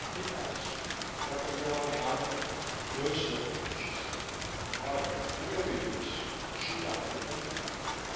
He asked, "Nothing new on Hammond?" "No, sir," she said. "All right. You may leave this." She nodded and left.